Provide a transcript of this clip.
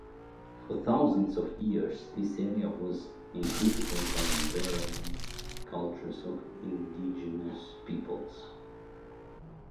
For thousands of years, this area was inhabited by varying cultures of indigenous peoples.